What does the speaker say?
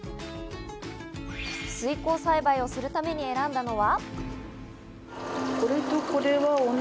水耕栽培をするために選んだのは。